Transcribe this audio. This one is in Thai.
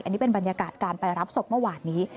อันนี้เป็นบรรยากาศการไปรับศพเมื่อวานนี้